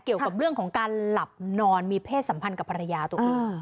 เกี่ยวกับเรื่องของการหลับนอนมีเพศสัมพันธ์กับภรรยาตัวเอง